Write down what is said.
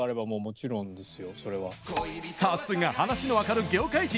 さすが、話の分かる業界人。